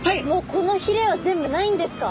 このひれは全部ないんですか？